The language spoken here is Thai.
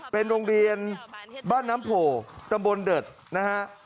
เป็นโรงเรียนบ้านน้ำโผล่ตำบลเดิดนะฮะ